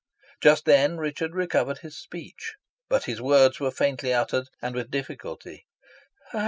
Just then Richard recovered his speech, but his words were faintly uttered, and with difficulty.